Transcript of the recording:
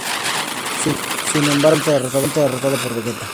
Sin embargo, es rápidamente derrotado por Vegeta.